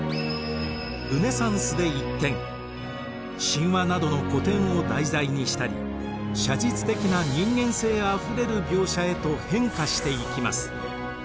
神話などの古典を題材にしたり写実的な人間性あふれる描写へと変化していきます。